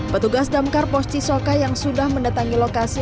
petugas damkar pos cisoka yang sudah mendatangi lokasi